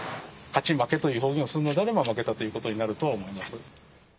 勝ち負けという表現をするのであれば負けたということになるのだと思います。